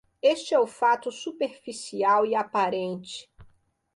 Este é o fato superficial e aparente.